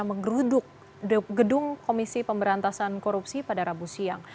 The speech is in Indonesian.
menggeruduk gedung komisi pemberantasan korupsi pada rabu siang